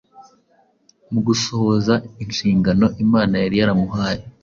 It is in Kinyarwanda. Mu gusohoza inshingano Imana yari yaramuhaye,